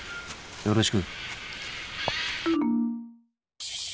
よろしく。